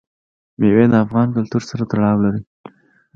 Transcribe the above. مېوې د افغان کلتور سره تړاو لري.